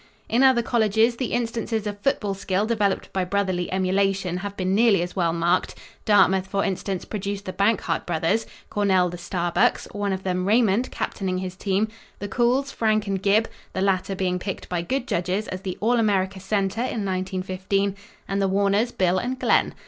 In other colleges, the instances of football skill developed by brotherly emulation have been nearly as well marked. Dartmouth, for instance, produced the Bankhart brothers Cornell, the Starbucks one of them, Raymond, captaining his team the Cools, Frank and Gib the latter being picked by good judges as the All America center in 1915 and the Warners, Bill and Glenn.